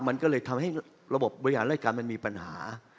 มันก็เลยทำให้ระบบบบริหารรายการมันมีปัญหา